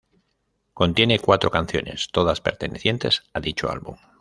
Contiene cuatro canciones, todas pertenecientes a dicho álbum.